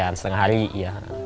harian setengah hari